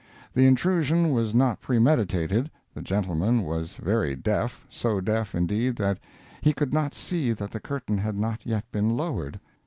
The intrusion was not premeditated; the gentleman was very deaf—so deaf, indeed, that he could not see that the curtain had not yet been lowered.